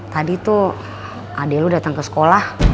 tadi tuh adek lo dateng ke sekolah